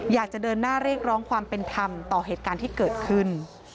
อยากจะเดินหน้าเรียกร้องความเป็นธรรมต่อเหตุการณ์ที่เกิดขึ้น